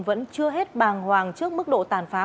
vẫn chưa hết bàng hoàng trước mức độ tàn phá